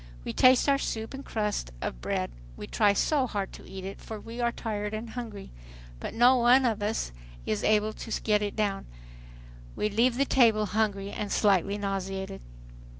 We taste our soup and crust of bread. We try so hard to eat it for we are tired and hungry, but no one of us is able to get it down. We leave the table hungry and slightly nauseated.